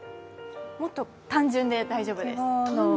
もっと単純で大丈夫です。